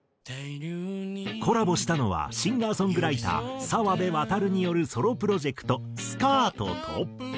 コラボしたのはシンガーソングライター澤部渡によるソロプロジェクトスカートと。